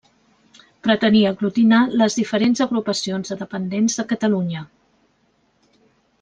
Pretenia aglutinar les diferents agrupacions de dependents de Catalunya.